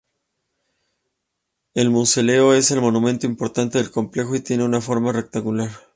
El mausoleo es el monumento importante del complejo y tiene una forma rectangular.